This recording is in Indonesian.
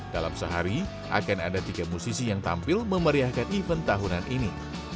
dalam sehari akan ada tiga musisi yang tampil memeriahkan event tahunan ini